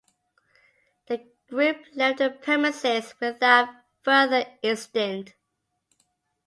The group left the premises without further incident.